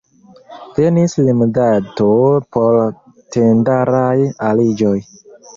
Venis limdato por tendaraj aliĝoj.